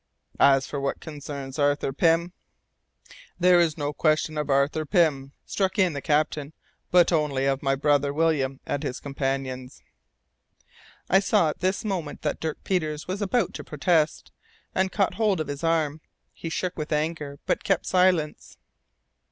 "As for what concerns Arthur Pym " "There is no question of Arthur Pym," struck in the captain, "but only of my brother William and his companions." I saw at this moment that Dirk Peters was about to protest, and caught hold of his arm. He shook with anger, but kept silence.